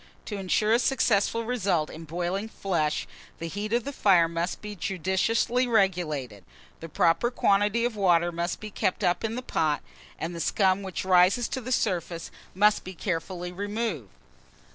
To insure a successful result in boiling flesh, the heat of the fire must be judiciously regulated, the proper quantity of water must be kept up in the pot, and the scum which rises to the surface must be carefully removed.